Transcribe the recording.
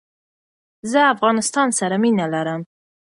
زه افغانستان سر مینه لرم